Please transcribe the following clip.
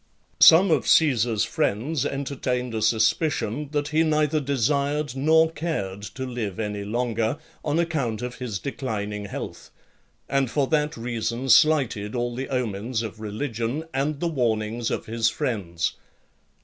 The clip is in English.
LXXXVI. Some of Caesar's friends entertained a suspicion, that he neither desired nor cared to live any longer, on account of his declining health; and for that reason slighted all the omens of religion, and the warnings of his friends.